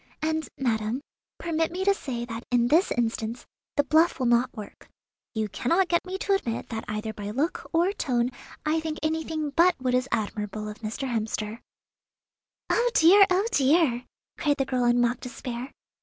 And, madam, permit me to say that in this instance the bluff will not work. You cannot get me to admit that either by look or tone I think anything but what is admirable of Mr. Hemster." "Oh, dear, oh, dear!" cried the girl in mock despair.